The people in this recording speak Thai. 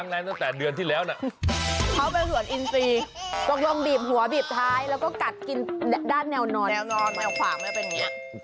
เหมือนกระโรกเหมือนหนู